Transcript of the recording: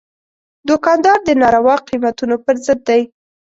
دوکاندار د ناروا قیمتونو پر ضد دی.